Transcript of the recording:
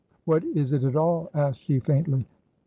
"What is it at all?" asked she, faintly.